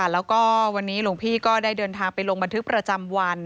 แล้วก็วันนี้หลวงพี่ก็ได้เดินทางไปลงบันทึกประจำวัน